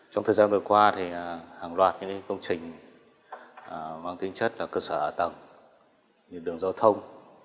trong thời gian vừa qua thì hàng loạt những công trình văn tính chất và cơ sở ở tầng như đường giao thông